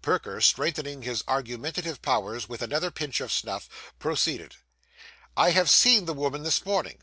Perker, strengthening his argumentative powers with another pinch of snuff, proceeded 'I have seen the woman, this morning.